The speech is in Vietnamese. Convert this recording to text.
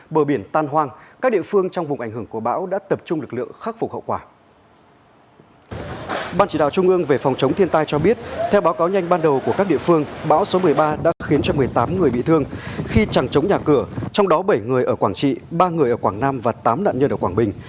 báo số một mươi ba đã khiến cho một mươi tám người bị thương khi chẳng chống nhà cửa trong đó bảy người ở quảng trị ba người ở quảng nam và tám nạn nhân ở quảng bình